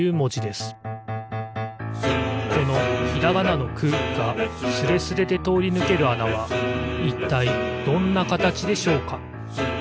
このひらがなの「く」がスレスレでとおりぬけるあなはいったいどんなかたちでしょうか？